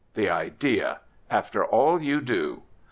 The idea! After all you do!"